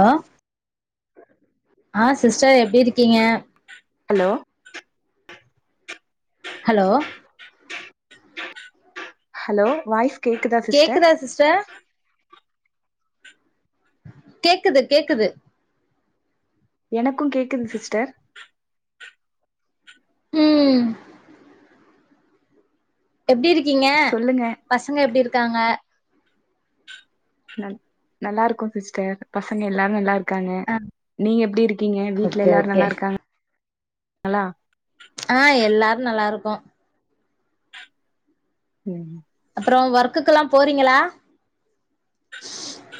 ஆ ஆ சிஸ்டர் எப்டி இருக்கீங்க ஹலோ ஹலோ ஹலோ வாய்ஸ் கேக்குதா சிஸ்டர் கேக்குது கேக்குது எனக்கு கேக்குது சிஸ்டர் ம் எப்டி இருக்கீங்க சொல்லுங்க பசங்க எப்டி இருக்காங்க நல் நல்லார்க்கோ சிஸ்டர் பசங்க எல்லாரு நல்லார்க் க்காங்க ஆ நீங்க எப்டி இருக்கீங்க வீட்ல ஓகே எல்லாரு ஓகே நல்லா இருக்காங் [inaudible] ளா ஆ எல்லாரு நல்லாருக்கோ ம் அப்புற ஒர்க்குல்லா போறீங்ளா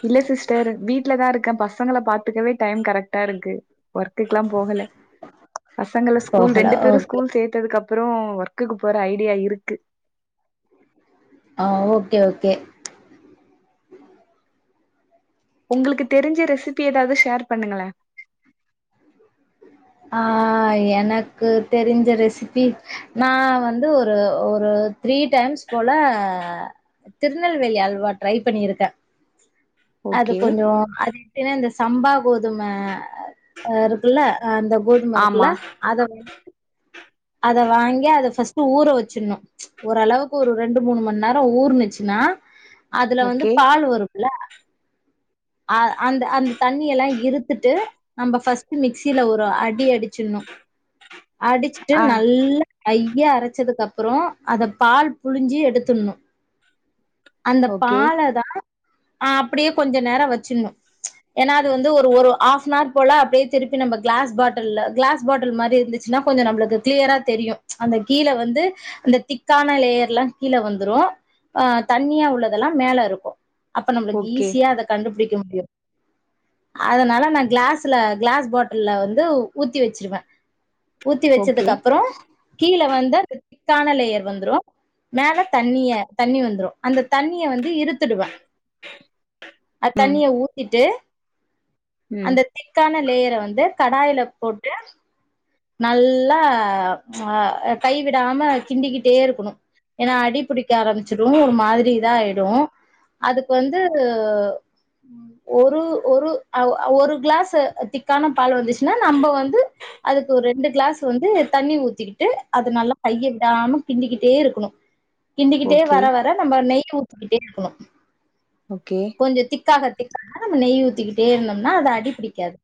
இல்ல சிஸ்டர் வீட்லதா இருக்கே பசங்கள பாத்துக்கவே டைம் கரெக்ட்டா இருக்கு ஒர்க்குக்லா போகல பசங்கள ஸ்கூல் போகல ரெண்டு பேரு ஓகே ஸ்கூல் சேத்ததுக்கு அப் ற ஒர்க்குக்கு போற ஐடியா இருக்கு ஆ ஓகே ஓகே உங்களுக்கு தெரிஞ்ச ரெசிபி ஏதாவது ஷேர் பண்ணுங்களே ஆ எனக்கு தெரிஞ்ச ரெசிபி நா வந்து ஒரு ஒரு த்ரீ டைம்ஸ் போல திருநெல்வேலி அல்வா ட்ரை பண்ணிருக்கே அது ஓகே கொஞ்ச அது எப்டினா இந்த சம்பா கோதும இருக்குல்ல அ அந்த கோதும இருக்குல ஆமா அத அத வாங்கி அத ஃபர்ஸ்ட் ஊற வச்சிடணு ஓரளவுக்கு ஒரு ரெண்டு மூணு மண்நேர ஊர்னுச்சுன்னா அதுல வந்து ஓகே பால் வரு ல அ அந்த அந்த தண்ணி எல்லா இருத்துட்டு நம்ப ஃபஸ்ட்டு மிக்சில ஒரு அடி அடிச்சுர்ணு அடிச்சுட்டு ஆ நல்லா மைய அரைச்சதுக்கு அப்புற அத பால் புழிஞ்சி எடுத்துணு அந்த ஓகே பாலதா அப்டியே கொஞ்ச நேர வச்சிட்ணு ஏன்னா அது வந்து ஒரு ஒரு ஹாஃப்னார் போல அப்டியே திருப்பி நம்ப க்ளாஸ் பாட்டில்ல க்ளாஸ் பாட்டில் மாரி இருந்து ச்சுனா கொஞ்ச நம்ளுக்கு க்ளியரா தெரியு அந்த கீழ வந்து அந்த திக்கான லேயர்லா கீழ வந்துரு ஆ தண்ணியா உள்ளதெல்லா மேல இருக்கு அப்ப நம்ளுக்கு ஓகே ஈஸியா அத கண்டுபுடிக்க முடியு அதனால நா க்ளாஸ்ல க்ளாஸ் பாட்டில்ல வந்து ஊத்தி வச்சிருவே ஊத்தி ஓகே வச்சதுக்கு அப்புற கீழ வந்து திக்கான லேயர் வந்துரு மேல தண்ணிய தண்ணி வந்ரு அந்த தண்ணிய வந்து இறுத்துடுவே அ ம் தண்ணிய ஊத்திட்டு ம் அந்த திக்கான லேயரை வந்து கடாயில போட்டு நல்லா ஆ கை விடாம கிண்டிக்கிட்டே இருக்கணு ஏன்னா அடி பிடிக்க ஆரம்பிச்சிடு ஒரு மாதிரி இதா ஆயிடு அதுக்கு வந்து ஒரு ஒரு ஒரு க்ளாஸ் திக்கான பால் வந்துச்சுன்னா நம்ப வந்து அதுக்கு ஒரு ரெண்டு க்ளாஸ் வந்து தண்ணி ஊத்திக்கிட்டு அது நல்லா கைய விடாம கிண்டிக்கிட்டே இருக்கணு கிண்டிக்கிட்டே ஓகே வர வ நம்ப நெய் ஊத்துக்கிட்டே இருக்கணு ஓகே கொஞ்ச திக்காக திக்காக நம்ம நெய் ஊத்திக்கிட்டே இருந்தோம்னா அது அடி புடிக்காது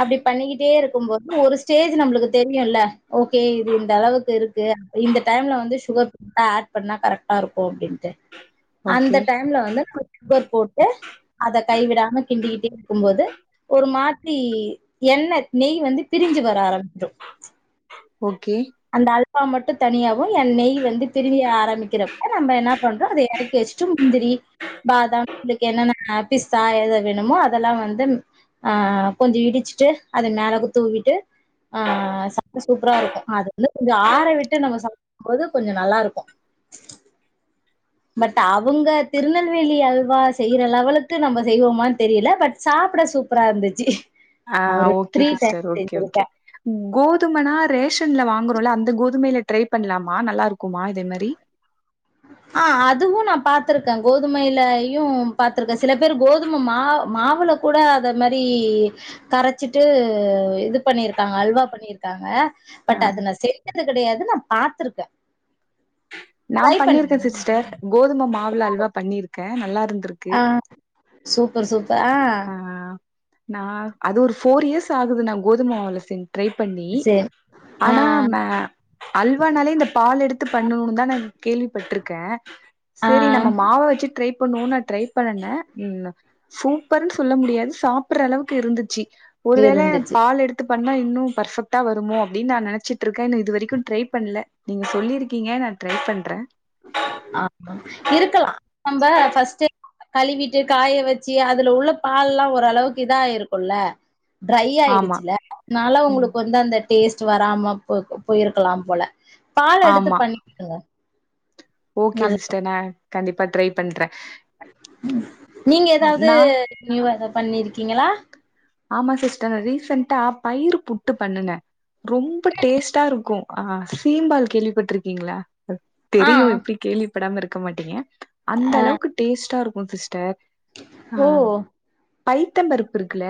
அப்புடி பண்ணிக்கிட்டே இருக்கும்போது ஒரு ஸ்டேஜ் நம்ளுக்கு தெரியுல்ல ஓகே இது இந்த அளவுக்கு இருக்கு இந்த டைம்ல வந்து சுகர் இப்ப ஆட் பண்ணா கரெக்டா இருக்கு அப்டின்ட்டு அந்த ஓகே டைம்ல வந்து [inaudible] சுகர் போட்டு அத கைவிடாம கிண்டிக்கிட்டே இருக்குபோது ஒரு மாத்ரி எண்ணெ நெய் வந்து பிரிஞ்சு வர ஆரம்பிச்ரூ ஓகே அந்த அல்வா மட்டு தனியாவு என் நெய் வந்து பிரிய ஆரம்பிக்கிறப்ப நம்ப என்னா பன்றோ அத எறக் கி வெச்ட்டு முந்திரி பாதாம் உங்குளுக்கு என்னன்ன பி்ஸ்தா எத வேணுமோ அதெல்லா வந்து ஆ கொஞ்சோ இடிச்சுட்டு அத மேலகா தூவிட்டு ஆ சா ப்றோ சூப்பரா இருக்கும் அது வந்து கொஞ்சோ ஆற விட்டு நம்ம சாப்டும்போது கொஞ்ச நல்லா இருக்கு பட் அவுங்க திருநெல்வேலி அல்வா செய்ற லெவலுக்கு நம்ப செய்வோமானு தெரில பட் சாப்புட சூப் ப்பரா இருந்துச்சி ஆ ஓகே சிஸ்டர் ஓகே ஓகே கோதுமனா ரேஷன்ல வாங்குறோல அந்த கோதுமையில ட்ரை பண்லாமா நல்லா இருக்குமா இதே மாரி ஆ அதுவு நா பாத்துருக்க கோதுமையிலயு பாத்துருக்க சில பேரு கோதும மா மாவுல கூட அத மாரி கரச்சிட்டு இது பண்ணிருக்காங்க அல்வா பண்ணிருக் காங்க ஆ பட் அது நா செய்றது கிடையாது நா பாத்திருக்கே நா பண்ணிருக்கே சிஸ்டர் கோதும மாவுல அல்வா பண்ணிருக்கே நல்லா இருந்திருக் ஆ சூப்பர் சூப்பர் ஆ ஆ நா அது ஒரு ஃபோர் இயர்ஸ் ஆகுது நா கோதும மாவுல செஞ் ட்ரை பண்ணி சரி. ஆ, ஆனா மே அல்வானாலே இந்த பால் எடுத்து பண்ணுவோந்தானே கேள்விப்பட்ருக்கே ஆ செரி நம்ம மாவ வச்சு ட்ரை பண்ணுவோன்னு நா ட்ரை பண்ணுனே ம் ன சூப் ப்பர்னு சொல்ல முடியாது சாப்புட்ற அளவுக்கு இருந்துச்சு ஒருவேல இருந்துச்சு. பால் எடுத் த்து பண்ணா இன்னும் பர்ஃபெக்டா வருமோ அப்புடின்னு நா நெனைச்சிட்ருக்கே என்ன இதுவெரிக்கூ ட்ரை பண்ல நீங்க சொல்லிருக்கீங்க நா ட்ரை பண்றே ஆமா இருக்கலா நம்ப ஃபஸ்டே கழுவிட்டு காய வெச்சு அதுல உள்ள பால்லா ஒரளவுக்கு இதாயிருக்குல்ல ட்ரை ஆமா ஆயிடுச்சுல்ல னால ம் உங்குளுக்கு வந்து அந்த டேஸ்ட் வராம போ போயிருக்குலா போல பால் எடுத்து ஆமா பண்ணிக் [inaudible] ஓகே சிஸ்டர் நா கண்டிப்பா ட்ரை பண்றே ம் நீங்க ஏதாவது நா நியூவா எதா பண்ணிருக்கீங்களா ஆமா சிஸ்டர் ரீசன்டா பயிரு புட்டு பண்ணுனே ரொம்ப டேஸ்ட்டா இருக்கு ஆ சீம்பால் கேள்விப்பட்ருக்கீங்ளா ஆ தெரியு எப்டி கேள்விப்படாம இருக்க மாட்டீங்க அந்த அளவுக்கு டேஸ்ட்டா இருக்கும் சிஸ்டர் ஆ ஓ பைத்தம் பருப்பு இருக்குல்ல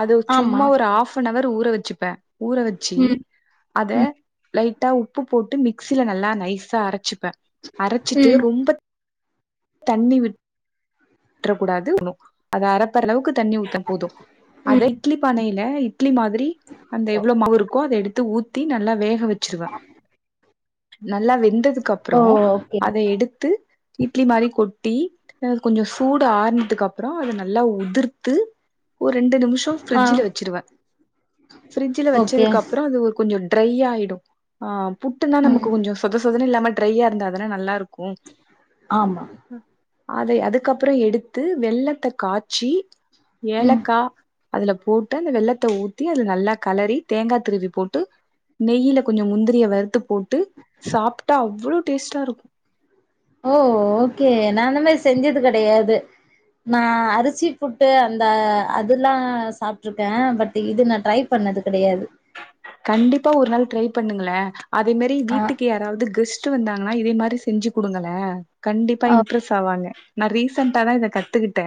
அது ஆமா சும்மா ஒரு ஆஃப் அன் அவர் ஊற வெச்சுப்பே ஊற வெச் ச்சி ம் அத ம் லைட்டா உப்பு போட்டு மிக்சில நல்லா நைஸ்ஸா அரச்சிப்பே அரச்சிட்டு ம் ரொம்பத் தண்ணி விட் ட்ற்றக்கூடாது [unintelligible] அத அரப்பட அளவுக்கு தண்ணி ஊத்னா போதும் அத ம் இட்லி பானையில இட் இட்லி மாதிரி அந்த எவ்ளோ மாவு இருக்கோ அத எடுத்து ஊத்தி நல்லா வேக வெச்சிருவே நல்லா ஓ வெந்ததுக்கப்றோ ஓகே அத எடுத்து இட்லி மாரி கொட்டி கொஞ்சோ சூடு ஆறுனதுக்கப்புறோ அத நல்லா உதிர்த்து ஒரு ரெண்டு நிமிஷோ ஆ ஃப்ரிட்ஜில வெச்சிருவே ஃபரிட்ஜில ஓகே வெச்சதுக்கப்புறோ அது ஒரு கொஞ்சோ ட்ரை ஆயிடும் ஆ புட்டுன்னா ம் நமக்கு கொஞ்சோ சொத சொதன்னு இல்லாம ட்ரையா இருந்தாதானே நல்லா இருக்கும் ஆமா அதை அதுக்கப்றோ எடுத்து வெள்ளத்த காச்சி ம் ஏலக்கா அதுல போட்டு அந்த வெள்ளத்த ஊத்தி அதுல நல்லா கலறி தேங்கா திருவி போட்டு நெய்யில கொஞ்சோ முந்திரிய வறுத்து போட்டு சாப்ட்டா அவ்ளோ டேஸ்ட்டா இரு ஓ ஓகே நா அந்த மாரி செஞ்சது கெடையாது நா அரிசி புட்டு அந்த அதுல்லா சாப்ட்டுருக்கே பட் இது நா ட்ரை பண்ணது கெடையாது கண்டிப்பா ஒரு நாள் ட்ரை பண்ணுங்களே அதே மாரி ஆ வீட்டுக்கு யா தாவது கெஸ்ட்டு வந்தாங்கன்னா இதே மாரி செஞ்சு குடுங்களே கண்டிப்பா இம்ப்ரெஸ் ஆவாங்க நா ரீசன்டா தா இத கத்துக்கிட்டே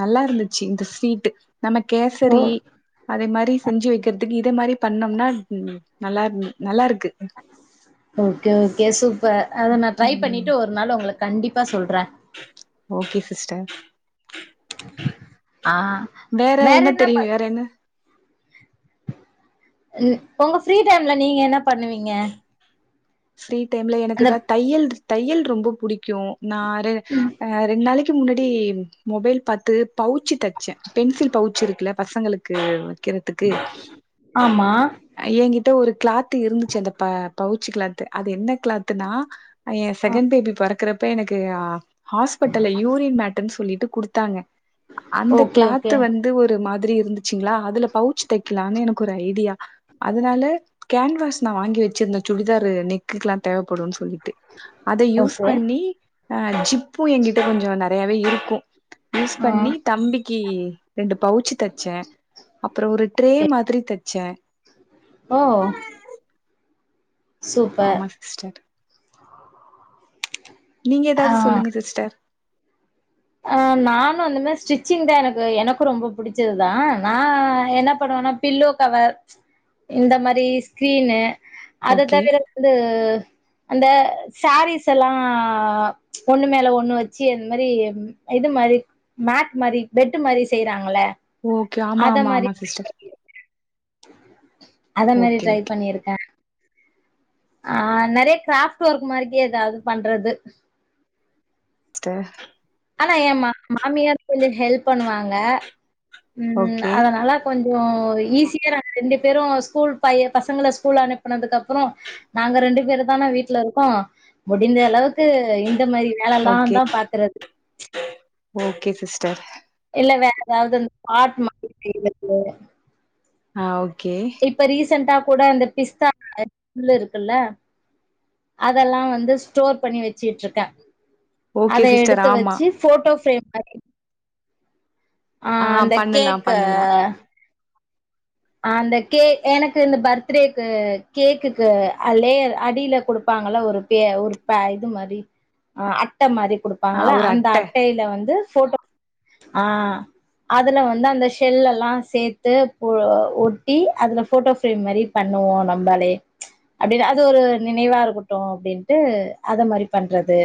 நல்லா இருந்துச்சு இந்த ஸ்வீட்டு நம்ம கேசரி ஓ அதே மாரி செஞ்சு வக்கிறதுக்கு இத மாரி பண்ணோம்னா நல்லா இருந் நல்லாருக்கு ஓகே ஓகே சூப்பர் அத நா ட்ரை ம் பண்ணிட்டு ஒரு நாள் உங்களுக் கண்டிப்பா சொல்றே ஓகே சிஸ்டர் ஆ வேற என்ன தெரியு வேற என்ன ஒங்க ஃப்ரீ டைம்ல நீங்க என்ன பண்ணுவீங்க ஃப்ரீ டைம்ல எனக்கு அந்த தா தையல் தையல் ரொம்ப புடிக்கு நாரு அ ரெண்டு நாளைக்கு முன்னாடி மொபைல் பாத்து பவுச்சு த ச்சே பென்சில் பவுச்சு இருக்குல பசங்களுக்கு வக்கிறதுக்கு ஆமா. ஏன்கிட்ட ஒரு கிளாத்து இருந்துச்சு அந்த ப பவுச்சு கிளாத்து அது என்ன கிளாத்துன்னா அ என் செகண்ட் பேபி பொறக்குறப்ப எனக்கு ஹாஸ்பிட்டல்ல யூரின் மேட்டுன் சொல்லிட்டு குடுத்தாங்க அந்த ஓகே கிளாத்து ஓகே. வந் து ஒரு மாதிரி இருந்துச்சுங்களா அதுல பவுச்சு தைக்லான்னு எனக்கு ஒரு ஐடியா அதுனால கேன்வாஸ் நா வாங்கி வச்சிருந்தே சுடிதார் ரு நெக்குக்லா தேவப்படுன்னு சொல்லிட்டு அத யூஸ் ஓகே. பண்ணி அ ஜிப்பு என்கிட்ட கொஞ்ச நெறையாவே இருக்கு யூஸ் ஆ பண்ணி தம்பிக்கு ரெண்டு பவுச்சு தச்சே அப்புறோ ஒரு ட்ரே ஓகே. மாதிரி தச்சே ஓ சூப்பர். ஆமா சிஸ்டர் நீங்க எதாவது ஆ. சொல்லுங்க சிஸ்டர் ஆ நானு அந்த மாரி ஸ்டிச்சிங் தா எனக்கு எனக்கு ரொம்ப புடிச்சது தா நா என்ன பண்ணுவனா பில்லோ கவர் இந்த மாரி ஸ்கிரீனு அது ஓகே தவிர ந்து அந்த சாரீஸ் எல்லா ஒன்னு மேல ஒன்னு வச்சு அந் மாரி இது மாரி மேட் மாரி பெட்டு் மாரி செய்றாங்கல ஓகே ஆமா ஆமா ஆமா சிஸ்டர் அத மாரி ஓகே ட்ரை ஓகே பண்ணிருக்கே ஆ நெறைய கிராஃப்ட் ஒர்க் மாரிக்கு எதாவது பண்றது ஸ்டர் ஆனா என் மா மாமியார் கொஞ்ச ஹெல்ப் பண்ணுவாங்க ம் ஓகே அதனால கொஞ்சோ ஈஸியா ரெண்டு பேரும் ஸ்கூல் பைய பசங்கள ஸ்கூல் அனுப்புனதுக்கு அப்பறோ நாங்க ரெண்டு பேரு தான வீட்ல இருக்கோ முடிந்த அளவுக்கு இந்த மாரி வேலல்லா ஓகே தா பாக்குறது ஓகே சிஸ்டர் இல்ல வேற எதாவது ஆர்ட் மாரி செய்றது ஆ ஓகே இப்ப ரீசெண்டாக் கூட அந்தப் பிஸ்தா [inaudible] இருக்குல்ல அதெல்லா வந்து ஸ்டோர் பண்ணி வெச்சுட்ருக்க அத ஓகே சிஸ்டர் எடுத்து ஆமா வெச்சு ஃபோட்டோ ஃபிரேம் மாரி ஆ அந்தக் பண்ணலாம் கேக்கே பண்ணலாம் ஆ அந்த கே எனக்கு இந்த பர்த்டேக்கு கேக்குக்கு அலே அடில குடுப்பாங்கள ஒரு பேய ஒருப்ப இது மாரி ஆ அட்ட மாரி ஆ குடுப்பாங்கள ஒரு அந்த அட்டை அட்டைல் ல வந்து ஃபோட்டோ ஆ அதுல வந்து அந்த ஷெல்லெல்லா சேத்து ஓ ஒட்டி அதுல ஃபோட்டோ ஃபிரேம் மாரிப் பண்ணுவோ நம்பாளே அப்டினு அது ஒரு நினைவா இருகுட்டு அப்டின்ட்டு அத மாரிப் பண்றது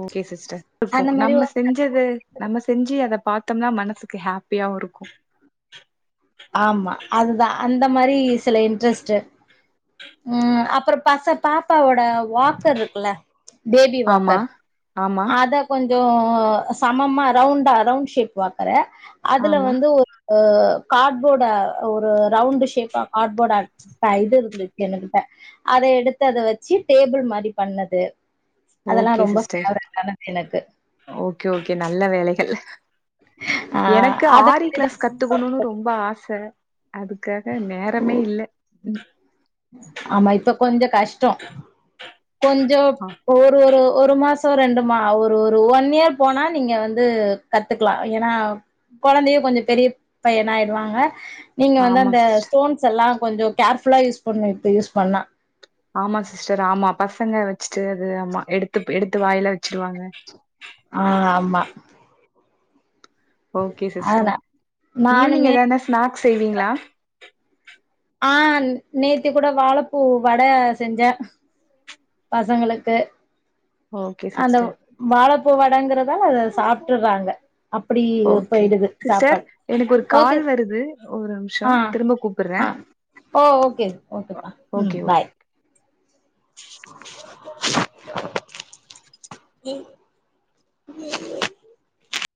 ஓகே சிஸ்டர் ருக்கு அந்த மாரி நம்ம ஒரு செஞ்ச சது நம்ம செஞ்சி அதப் பாத்தோம்னா மனசுக்கு ஹாப்பியாவு இருக்கு ஆமா அதுதா அந்த மாரி சில இன்ட்ரெஸ்ட்டு ம் அப்புறோப் பச பாப்பாவோட வாக்கர்ருக்குல்ல பேபி ஆமா வாக்கர் ஆமா அதக் கொஞ்சோ சமமா ரவுண்டா ரவுண்ட் ஷேப் வாக்கறே அதுல ஆமா வந்து ஒரு அ கார்ட்போர்ட ஒரு ரவுண்டு ஷேப்பா கார்ட்போர்டட்ட இது இருந்துச் என்னுகிட்ட அத எடுத்து அத வெச்சி டேபிள் மாரிப் பண்ணது அதெல்லா ஓகே ரொம்ப சிஸ்டர் பேவரட்டானது எனக்கு ஓகே ஓகே நல்ல வேலைகள் ஆ எனக்கு அத ஆரி கிளாஸ் கத்துகுணுனு ரொம்ப ஆச அதுக்காக நேரமே இல்ல ஆமா இப்ப கொஞ்சோ கஷ்டோ கொஞ்சோப் ஒரு ஒரு ஒரு மாச் சோ ரெண்டுமா ஒரு ஒரு ஒன்னியர்ப் போனா நீங்க வந்து கத்துக்லா எனா கொழந்தையு கொஞ்சோ பெரியப் பையனாயிடுவாங்க நீங்க ஆ வந்து ஆமா அந்த சிஸ்டர் ஸ்டோன்ஸ் அல்லா கொஞ்சோ கேர்ஃபுல்லா யூஸ் பண்ணு இப்ப யூஸ் பண்ணா ஆமா சிஸ்டர் ஆமா பசங்க வெச்ட்டு அது ஆமா எடுத்துப் எடுத்து வாயில வெச்டுவாங்க ஆ ஆமா ஓகே சிஸ்டர் அதனா ஈவினிங் நானுமே எதானா ஸ்நாக்ஸ் செய்வீங்ளா ஆ நேத்தே கூட வாழப்பூ வட செஞ்சே பசங்களுக்கு ஓகே அந்தவ் சிஸ்டர் வாழப்பூ வடங்குறதால அதச் சாப்ட்டுர்றாங்க ஓகே சிஸ்டர் எனக்கு ஒரு ஓகே கால் வருது ஒரும்ஷோ ஆ திரும்ப கூப் புர்றே ஆ ஓ ஓகே ஓகேப்பா ம் ஓகே ஓகே பாய் [inaudible] இ [inaudible]